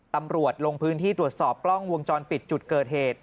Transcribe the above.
ตำรวจลงพื้นที่ตรวจสอบกล้องวงจรปิดจุดเกิดเหตุ